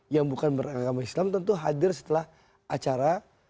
yang bukan beragama islam tentu hadir setelah acara